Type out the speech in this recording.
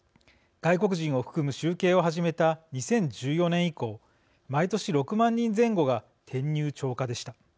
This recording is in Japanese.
外国人を含む集計を始めた２０１４年以降毎年６万人前後が転入超過でした。